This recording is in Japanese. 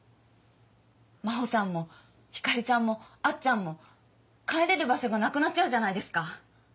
真帆さんも光莉ちゃんもあっちゃんも帰れる場所がなくなっちゃうじゃないですか。